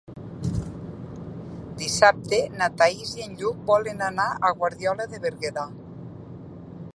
Dissabte na Thaís i en Lluc volen anar a Guardiola de Berguedà.